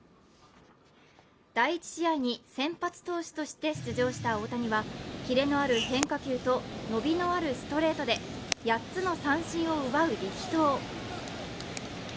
第１試合に先発投手として出場した大谷は、キレのある変化球と伸びのあるストレートで８つの三振を奪う力投。